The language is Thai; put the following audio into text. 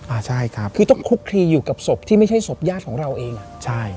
อ่าใช่ครับคือต้องคุกคลีอยู่กับศพที่ไม่ใช่ศพญาติของเราเองอ่ะใช่